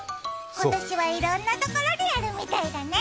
今年はいろんなところでやるみたいだね。